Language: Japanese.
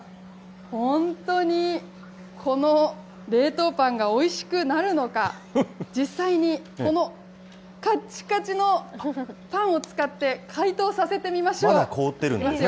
では、本当にこの冷凍パンがおいしくなるのか、実際に、このかっちかちのパンを使って、解凍させてみましょう。いきますよ。